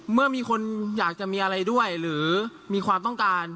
เมื่อมีคนอยากจะมีอะไรด้วยหรือมีความต้องการ